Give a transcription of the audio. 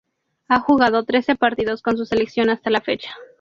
Ha jugado trece partidos con su selección hasta la fecha.